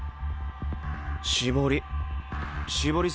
絞り。